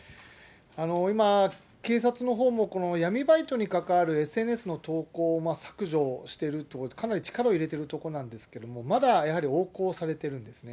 今、警察のほうも闇バイトに関わるＳＮＳの投稿を削除してるところで、かなり力を入れてるところなんですけれども、まだやはり横行されてるんですね。